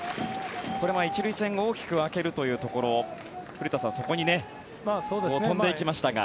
これは１塁線大きく空けるというところ古田さんそこに飛んでいきましたが。